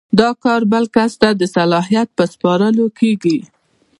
دا کار بل کس ته د صلاحیت په سپارلو کیږي.